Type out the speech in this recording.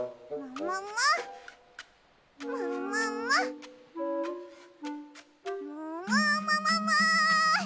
ももももも！